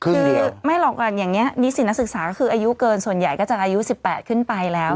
คือไม่หรอกอย่างนี้นิสิตนักศึกษาก็คืออายุเกินส่วนใหญ่ก็จะอายุ๑๘ขึ้นไปแล้ว